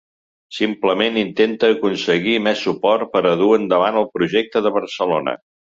Simplement intenta aconseguir més suport per a dur endavant el projecte de Barcelona.